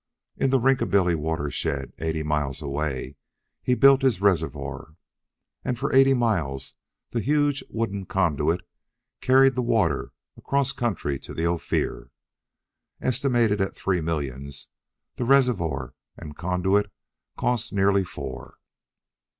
In the Rinkabilly watershed, eighty miles away, he built his reservoir, and for eighty miles the huge wooden conduit carried the water across country to Ophir. Estimated at three millions, the reservoir and conduit cost nearer four.